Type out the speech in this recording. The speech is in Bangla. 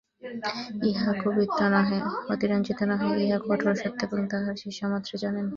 ইহা কবিত্ব নহে, অতিরঞ্জিত নহে, ইহা কঠোর সত্য এবং তাঁহার শিষ্যমাত্রেই জানে।